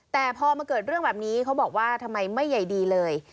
แต่พอมาเกิดเรื่องแบบนี้เขาบอกว่าทำไมไม่ใหญ่ดีเลย